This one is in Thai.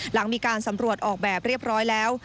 หลังมีการสำรวจออกแบบเรียบร้อยแล้ว